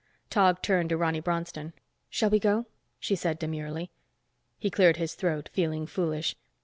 Tog turned to Ronny Bronston. "Shall we go?" she said demurely. He cleared his throat, feeling foolish.